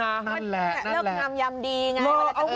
นั่นแหละแล้วก็ทำยำดีอย่างเงี้ย